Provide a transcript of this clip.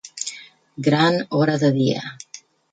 Gran hora de dia.